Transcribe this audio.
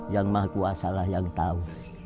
yang mahkuasalah yang tahu